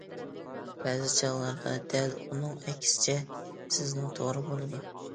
بەزى چاغلاردا دەل ئۇنىڭ ئەكسىچە، سىزنىڭ توغرا بولىدۇ.